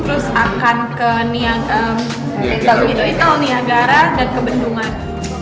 terus akan ke niagara dan ke bendungan